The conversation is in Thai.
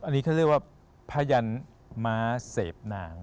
อันนี้เขาเรียกว่าพยันม้าเสพนาง